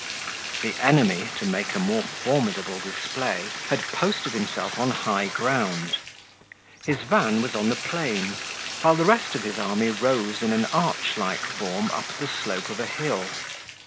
The enemy, to make a more formidable display, had posted himself on high ground; his van was on the plain, while the rest of his army rose in an arch like form up the slope of a hill.